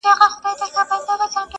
نصیب د جهاني له ستوني زور دی تښتولی.!